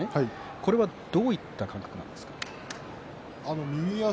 これはどういった感覚なんですか。